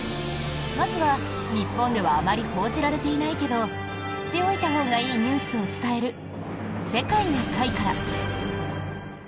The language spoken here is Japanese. まずは、日本ではあまり報じられていないけど知っておいたほうがいいニュースを伝える「世界な会」から。